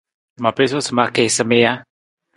Ma piisu sa ma kiisa mi ja?